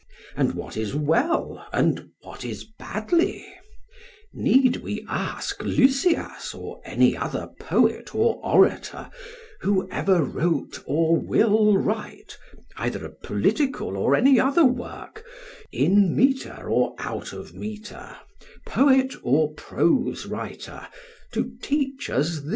SOCRATES: And what is well and what is badly need we ask Lysias, or any other poet or orator, who ever wrote or will write either a political or any other work, in metre or out of metre, poet or prose writer, to teach us this?